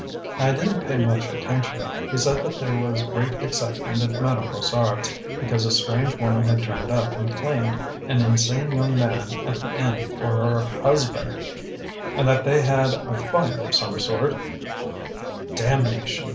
"I didn't pay much attention. He said that there was great excitement at Madame Brossard's, because a strange woman had turned up and claimed an insane young man at the inn for her husband, and that they had a fight of some sort " "Damnation!"